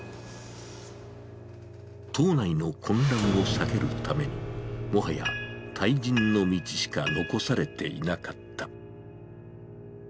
党内の混乱を避けるために、もはや、退陣の道しか残されていなかった。